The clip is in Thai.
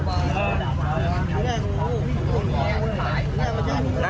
โอ๊ยเงินเยอะนี่